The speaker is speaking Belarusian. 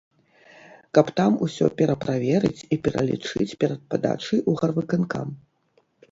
Каб там усё пераправерыць і пералічыць перад падачай у гарвыканкам.